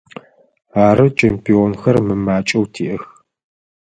Ары, чемпионхэр мымакӏэу тиӏэх.